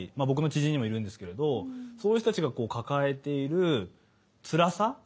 僕の知人にもいるんですけれどそういう人たちが抱えているつらさ。